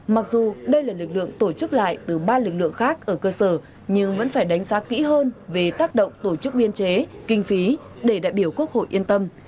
mặc dù đây là lực lượng tổ chức lại từ ba lực lượng khác ở cơ sở nhưng vẫn phải đánh giá kỹ hơn về tác động tổ chức biên chế kinh phí để đại biểu quốc hội yên tâm